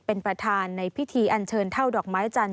เป็นประธานในพิธีอันเชิญเท่าดอกไม้จันท